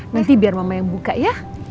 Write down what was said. nanti biar mama yang buka ya